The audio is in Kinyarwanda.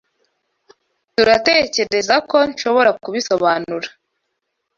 turatekerezako nshobora kubisobanura.